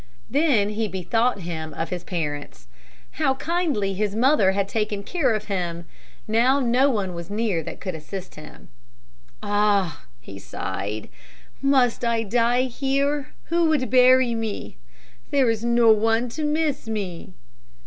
Then he bethought him of his parents. How kindly his mother had taken care of him! Now no one was near that could assist him. "Ah," he sighed, "must I die here? Who would bury me? There is no one to miss me."